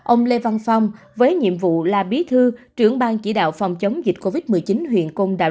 ông lê văn phong với nhiệm vụ là bí thư trưởng ban chỉ đạo phòng chống dịch covid một mươi chín huyện côn đảo